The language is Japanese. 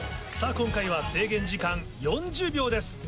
今回は制限時間４０秒です。